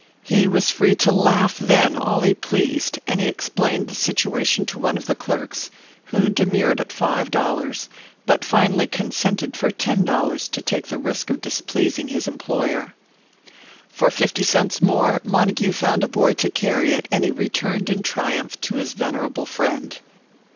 He was free to laugh then all he pleased; and he explained the situation to one of the clerks, who demurred at five dollars, but finally consented for ten dollars to take the risk of displeasing his employer. For fifty cents more Montague found a boy to carry it, and he returned in triumph to his venerable friend.